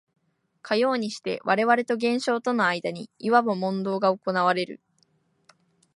かようにして我々と現象との間にいわば問答が行われる。